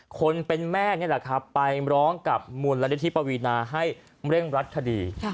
คนเป็นแม่นี่แหละครับไปร้องกับมูลนิธิปวีนาให้เร่งรัดคดี